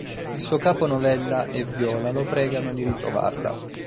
Il suo capo Novella e Viola lo pregano di ritrovarla.